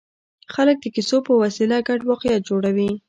خلک د کیسو په وسیله ګډ واقعیت جوړوي.